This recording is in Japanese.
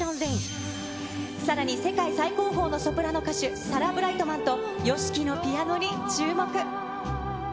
さらに世界最高峰のソプラノ歌手、サラ・ブライトマンとＹＯＳＨＩＫＩのピアノに注目。